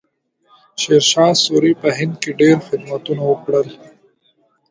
شیرشاه سوري په هند کې ډېر خدمتونه وکړل.